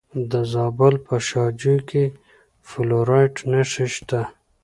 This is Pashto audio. د زابل په شاجوی کې د فلورایټ نښې شته.